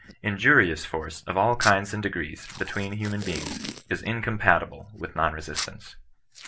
Injurioits force of all kinds and degrees, between human beings, is incompatible with non resistance.